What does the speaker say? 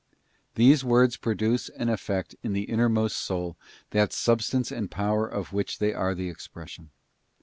These words produce and effect in the innermost soul that substance and power of which they are the expression.